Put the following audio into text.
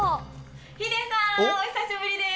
ヒデさん、お久しぶりです。